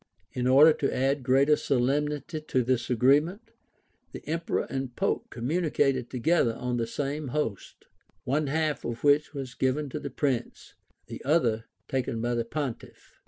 [*] In order to add greater solemnity to this agreement, the emperor and pope communicated together on the same host; one half of which was given to the prince, the other taken by the pontiff.